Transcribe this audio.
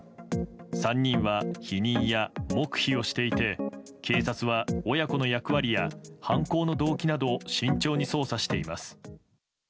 ３人は否認や黙秘をしていて警察は親子の役割や犯行の動機など慎重に捜査しています。